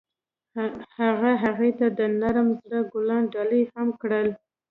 هغه هغې ته د نرم زړه ګلان ډالۍ هم کړل.